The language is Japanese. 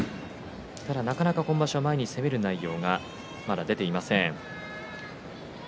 ただ、なかなか今場所は前に攻める内容がまだ出ていません。